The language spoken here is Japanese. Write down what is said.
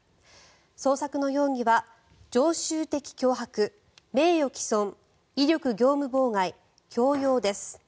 捜索の容疑は常習的脅迫、名誉毀損威力業務妨害、強要です。